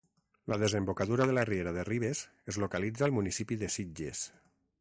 La desembocadura de la riera de Ribes es localitza al municipi de Sitges.